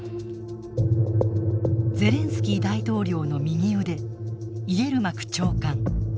ゼレンスキー大統領の右腕イエルマク長官。